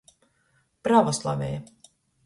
Pravoslaveja.